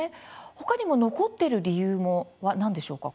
ほかにも残っている理由は何でしょうか？